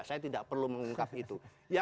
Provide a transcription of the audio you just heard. saya tidak perlu mengungkap itu